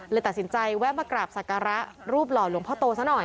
ตัดสินใจแวะมากราบศักระรูปหล่อหลวงพ่อโตซะหน่อย